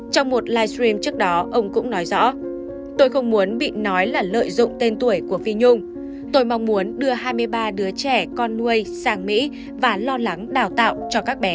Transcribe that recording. trong một livestream trước đó ông cũng nói rõ tôi không muốn bị nói là lợi dụng tên tuổi của phi nhung tôi mong muốn đưa hai mươi ba đứa trẻ con nuôi sang mỹ và lo lắng đào tạo cho các bé